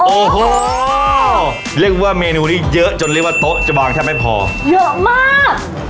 โอ้โหเรียกว่าเมนูนี้เยอะจนเรียกว่าโต๊ะจะบางแทบไม่พอเยอะมาก